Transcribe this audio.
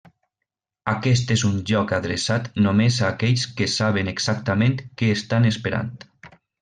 Aquest és un joc adreçat només a aquells que saben exactament què estan esperant.